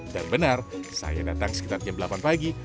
dan benar saya datang sekitar jam delapan pagi